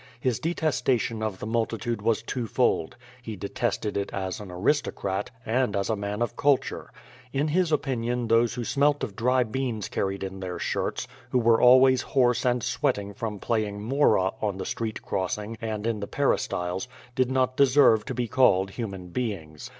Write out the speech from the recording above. (His detestation of the multitude was two fold: he detested it as an aristocrat, and as a man of culture. In his^ opinion those who smelt of dry beans carried in their shirts, who were always hoarse and sweating from playing "mora" on the street crossing, and in the peristyles, did not deserve to be called human beings.